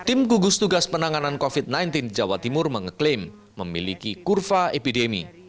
tim gugus tugas penanganan covid sembilan belas jawa timur mengeklaim memiliki kurva epidemi